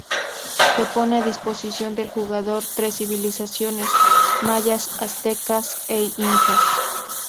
Se pone a disposición del jugador tres civilizaciones: Mayas, Aztecas e Incas.